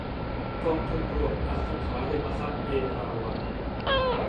กองทุนรวมอสังหาริมทรัพย์เอราวัณ